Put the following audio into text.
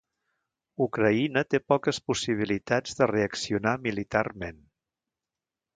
Ucraïna té poques possibilitats de reaccionar militarment.